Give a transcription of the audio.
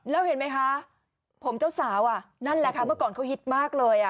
แล้วเห็นไหมคะผมเจ้าสาวนั่นแหละค่ะเมื่อก่อนเขาฮิตมากเลย